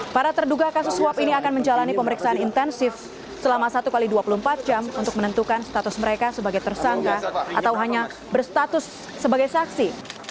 para terduga kasus swab ini akan menjalani pemeriksaan intensif selama satu x dua puluh empat jam untuk menentukan status mereka sebagai tersangka atau hanya berstatus sebagai saksi